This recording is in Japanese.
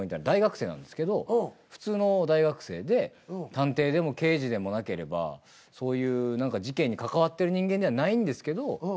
大学生なんですけど普通の大学生で探偵でも刑事でもなければそういう何か事件に関わってる人間ではないんですけど。